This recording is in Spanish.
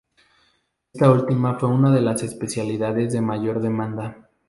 Esta última fue una de las especialidades de mayor demanda.